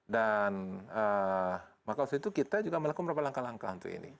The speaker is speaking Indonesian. dan makasih itu kita juga melakukan beberapa langkah langkah untuk ini